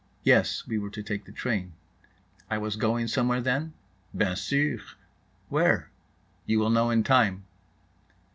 Yes, we were to take the train. I was going somewhere, then? "B'en sûr."—"Where?"—"You will know in time."